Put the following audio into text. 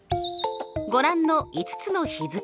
ご覧の５つの日付。